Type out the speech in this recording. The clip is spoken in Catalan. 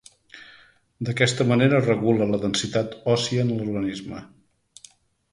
D’aquesta manera es regula la densitat òssia en l’organisme.